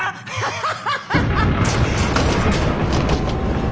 ハハハハハ！